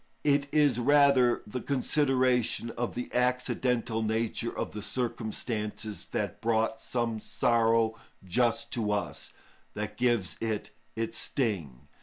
It is rather the consideration of the accidental nature of the circumstances that brought some sorrow just to us, that gives it its sting.